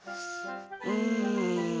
うん。